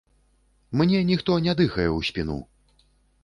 Мне ніхто не дыхае ў спіну.